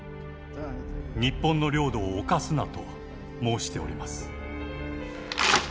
日本の領土を侵すなと申しております。